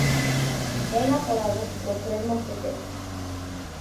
Eran apodados "Los Tres Mosqueteros".